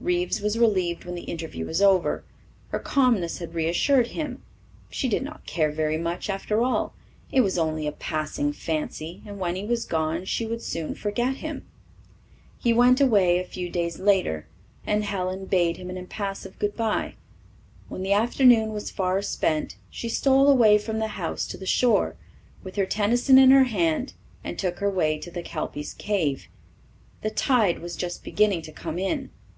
Reeves was relieved when the interview was over. Her calmness had reassured him. She did not care very much, after all; it was only a passing fancy, and when he was gone she would soon forget him. He went away a few days later, and Helen bade him an impassive good bye. When the afternoon was far spent she stole away from the house to the shore, with her Tennyson in her hand, and took her way to the Kelpy's Cave. The tide was just beginning to come in.